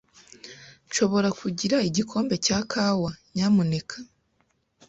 Nshobora kugira igikombe cya kawa, nyamuneka?